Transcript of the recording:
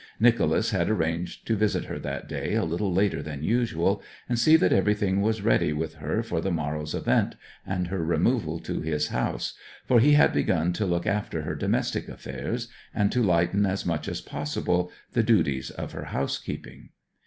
Nicholas had arranged to visit her that day a little later than usual, and see that everything was ready with her for the morrow's event and her removal to his house; for he had begun to look after her domestic affairs, and to lighten as much as possible the duties of her housekeeping.